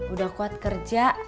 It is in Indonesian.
udah kuat kerja